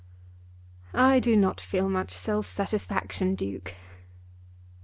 "I do not feel much self satisfaction, Duke.